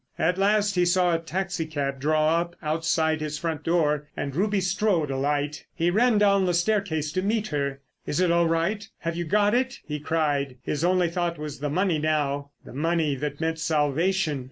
At last he saw a taxi cab draw up outside his front door and Ruby Strode alight. He ran down the staircase to meet her. "Is it all right, have you got it?" he cried. His only thought was the money now. The money that meant salvation.